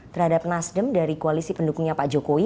terhadap nasdem dari koalisi pendukungnya pak jokowi